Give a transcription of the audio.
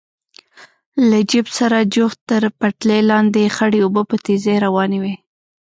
له جېپ سره جوخت تر پټلۍ لاندې خړې اوبه په تېزۍ روانې وې.